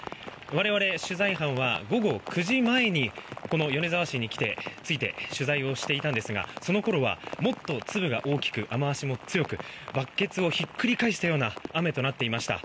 我々、取材班は午後９時前にこの米沢市に着いて取材をしていたんですがそのころはもっと粒が大きく雨脚も強くバケツをひっくり返したような雨となっていました。